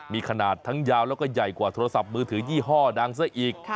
มีขนาดทั้งยาวแล้วก็ใหญ่กว่าโทรศัพท์มือถือยี่ห้อดังซะอีก